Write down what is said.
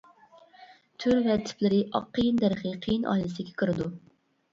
تۈر ۋە تىپلىرى ئاق قېيىن دەرىخى قېيىن ئائىلىسىگە كىرىدۇ.